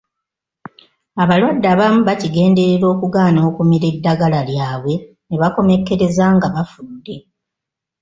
Abalwadde abamu bakigenderera okugaana okumira eddagala lyabwe ne bakomekkereza nga bafudde.